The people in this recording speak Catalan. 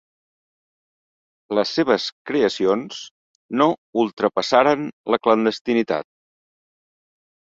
Les seves creacions no ultrapassaren la clandestinitat.